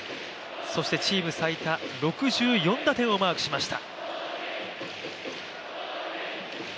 そしてチーム最多６４打点をマークしました。